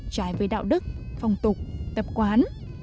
trái với đạo đức phòng tục tập quán